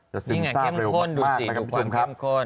จะซึมซ่าเร็วมากดูสิดูความเข้มข้น